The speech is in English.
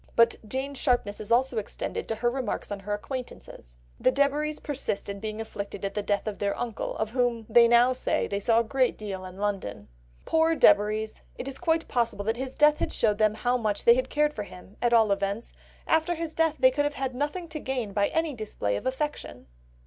But Jane's sharpness is also extended to her remarks on her acquaintances. "The Debaries persist in being afflicted at the death of their uncle, of whom they now say they saw a great deal in London." Poor Debaries, it is quite possible that his death had showed them how much they had cared for him, at all events, after his death they could have had nothing to gain by any display of affection!